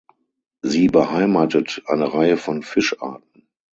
Sie beheimatet eine Reihe von Fischarten.